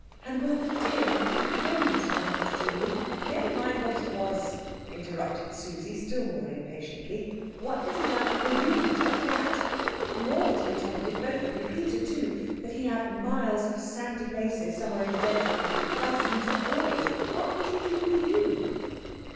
" and was the dearest and kindest of uncles to me " "Never mind what he was," interrupted Susie still more impatiently. "What has he done for you? Tell me that. You always pretended, both of you Peter too that he had miles of sandy places somewhere in the desert, and dozens of boys. What could he do for you?"